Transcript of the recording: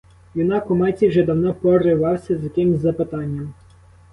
Юнак у майці вже давно поривався з якимсь запитанням.